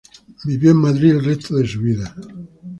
Vivió en Madrid el resto de su vida.